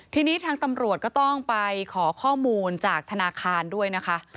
ทีนี้ทางตำรวจก็ต้องไปขอข้อมูลจากธนาคารด้วยนะคะ